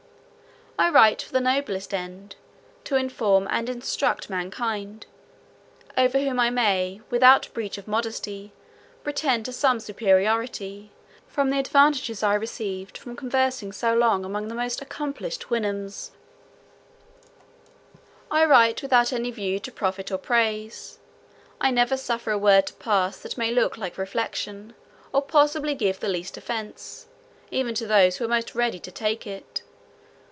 I write for the noblest end, to inform and instruct mankind; over whom I may, without breach of modesty, pretend to some superiority, from the advantages I received by conversing so long among the most accomplished Houyhnhnms. I write without any view to profit or praise. I never suffer a word to pass that may look like reflection, or possibly give the least offence, even to those who are most ready to take it.